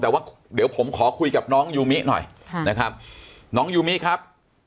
แต่ว่าเดี๋ยวผมขอคุยกับน้องยูมิหน่อยนะครับน้องยูมิครับ